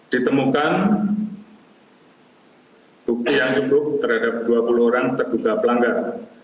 ditemukan bukti yang cukup terhadap dua puluh orang terduga pelanggar